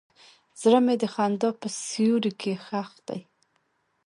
زړه مې د خندا په سیوري کې ښخ دی.